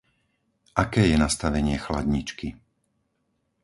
Aké je nastavenie chladničky?